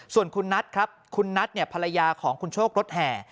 ส่วนคุณนัทครับคุณนัทภรรยาของคุณโชครถแห่